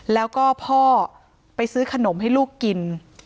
แล้วก็พ่อไปซื้อขนมให้ลูกกิน